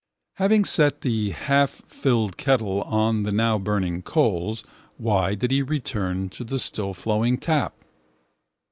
Having set the halffilled kettle on the now burning coals, why did he return to the stillflowing tap?